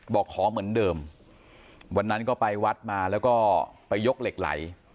บอกขอเหมือนเดิมวันนั้นก็ไปวัดมาแล้วก็ไปยกเหล็กไหล